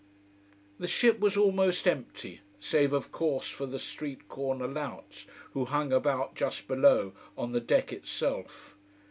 The ship was almost empty save of course for the street corner louts who hung about just below, on the deck itself.